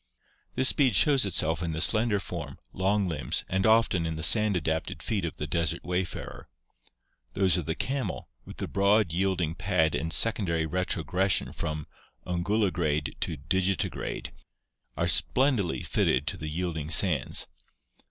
This speed shows itself in the slender form, long limbs, and often in the sand adapted feet of the desert wayfarer. Those of the camel, with the broad, yielding pad and secondary retrogression from unguligrade to digitigrade, are splendidly fitted to the yield ing sands.